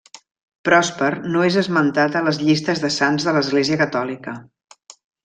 Pròsper no és esmentat a les llistes de sants de l'Església Catòlica.